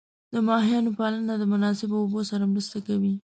د ماهیانو پالنه د مناسب اوبو سره مرسته کوي.